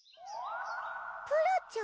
プラちゃん？